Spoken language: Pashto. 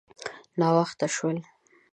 _ناوخته شول.